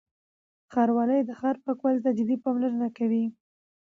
ښاروالۍ د ښار پاکوالي ته جدي پاملرنه کوي.